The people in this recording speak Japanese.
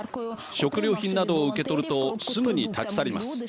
食料品などを受け取るとすぐに立ち去ります。